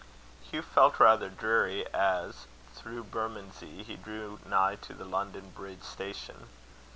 Hugh felt rather dreary as, through Bermondsey, he drew nigh to the London Bridge Station.